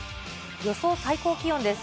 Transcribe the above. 予想最高気温です。